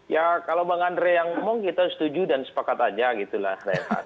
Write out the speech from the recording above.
ya kalau bang andre yang ngomong kita setuju dan sepakat aja gitu lah